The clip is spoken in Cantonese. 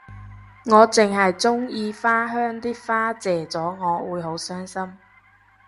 我淨係鍾意花香啲花謝咗我會好傷心